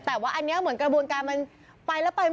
เป็นนมิชั่วนิทย์